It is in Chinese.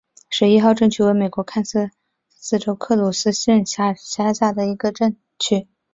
十一号镇区为美国堪萨斯州鲁克斯县辖下的镇区。